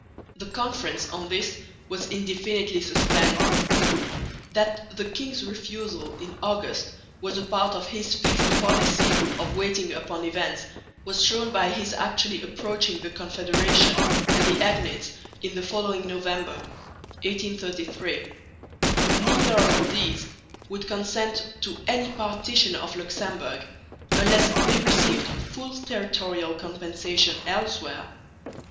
The Conference on this was indefinitely suspended. That the king's refusal in August was a part of his fixed policy of waiting upon events was shown by his actually approaching the Confederation and the agnates in the following November (1833). Neither of these would consent to any partition of Luxemburg, unless they received full territorial compensation elsewhere.